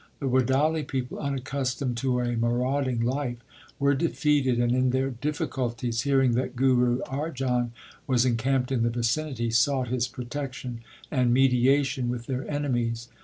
The Wadali people, unaccustomed to a marauding life, were defeated, and in their difficul ties, hearing that Guru Arjan was encamped in the vicinity, sought his protection and mediation with their enemies.